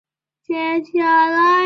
大杜若为鸭跖草科杜若属的植物。